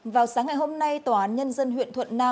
vào sáng ngày hôm nay tòa án nhân dân huyện thuận nam